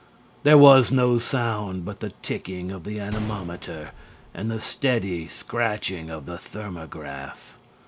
There was no sound but the ticking of the anemometer and the steady scratching of the thermograph.